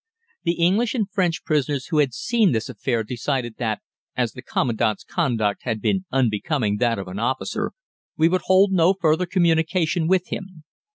The English and French prisoners who had seen this affair decided that, as the Commandant's conduct had been unbecoming that of an officer, we would hold no further communication with him.